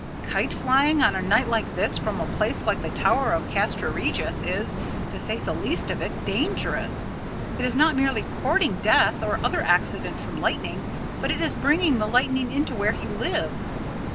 "Kite flying on a night like this from a place like the tower of Castra Regis is, to say the least of it, dangerous. It is not merely courting death or other accident from lightning, but it is bringing the lightning into where he lives.